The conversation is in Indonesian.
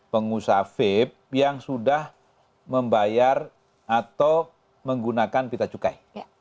pengusaha vape yang sudah membayar atau menggunakan pita cukai